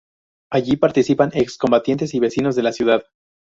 Allí participan ex combatientes y vecinos de la ciudad.